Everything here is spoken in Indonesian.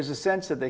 dan ada kesadaran